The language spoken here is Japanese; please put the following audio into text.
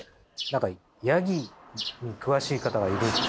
何かヤギに詳しい方がいるって。